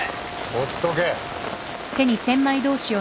ほっとけ。